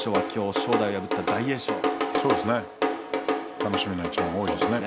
楽しみな一番が多いですね。